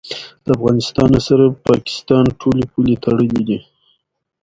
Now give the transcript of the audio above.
کندز سیند د افغان کلتور په داستانونو کې راځي.